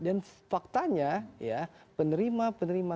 dan faktanya ya penerima penerima